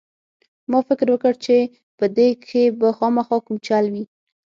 ما فکر وکړ چې په دې کښې به خامخا کوم چل وي.